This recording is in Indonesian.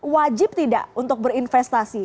wajib tidak untuk berinvestasi